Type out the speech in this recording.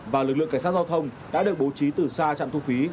và lực lượng cảnh sát giao thông đã được bố trí từ xa trạm thu phí